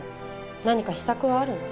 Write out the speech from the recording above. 何か秘策はあるの？